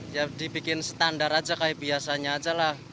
ya dibikin standar aja kayak biasanya aja lah